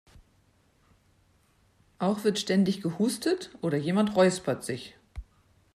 Auch wird ständig gehustet oder jemand räuspert sich.